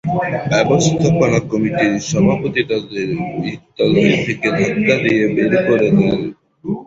ব্যবস্থাপনা কমিটির সভাপতি তাদের বিদ্যালয় থেকে ধাক্কা দিয়ে বের করে দেন।